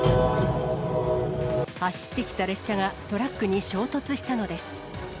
走ってきた列車がトラックに衝突したのです。